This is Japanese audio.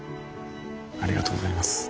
ありがとうございます。